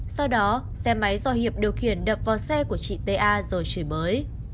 sau đó xe máy do hiệp điều kiển đập vào xe của chị t a rồi chửi mới